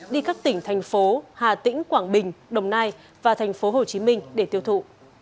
đi các tỉnh thành phố hà tĩnh quảng bình đồng nai và thành phố hồ chí minh để tiêu thụ